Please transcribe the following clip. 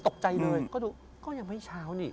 ตกใจเลยก็ดูก็ยังไม่เช้านี่